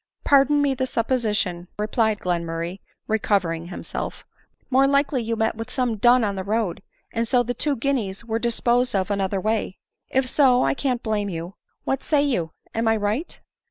" Pardon me the supposition," replied Glenmurray, recovering himself; "more likely you met with some dun on the road, and so the two guineas were disposed of another way — If so, I can't blame you. What say you? Am I right?"